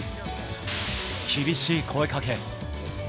厳しい声かけ。